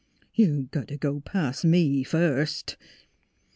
You got t' go a past me, first."